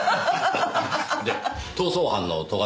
で逃走犯の斗ヶ